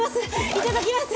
いただきます！